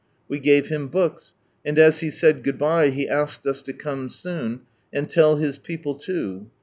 We gave him books, and as he said goodbye, he asked us to come soon, and tell his people loo.